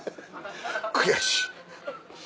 悔しい！